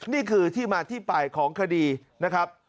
นี่คือที่มาที่ไปของคดีนะครับ